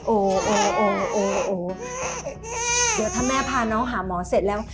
โอ้โอ้โอโอคนแม่ผ่าน้องหาหมอเสร็จแล้ว